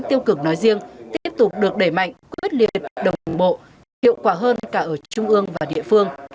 tiêu cực nói riêng tiếp tục được đẩy mạnh quyết liệt đồng bộ hiệu quả hơn cả ở trung ương và địa phương